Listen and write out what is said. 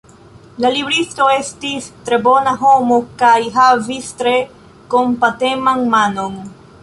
La libristo estis tre bona homo kaj havis tre kompateman manon.